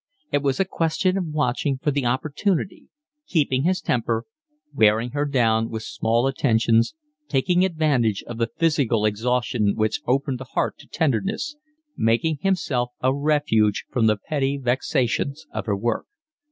It was a question of watching for the opportunity, keeping his temper, wearing her down with small attentions, taking advantage of the physical exhaustion which opened the heart to tenderness, making himself a refuge from the petty vexations of her work.